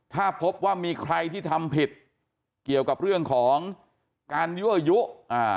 ถ้าพบว่ามีใครที่ทำผิดเกี่ยวกับเรื่องของการยั่วยุอ่า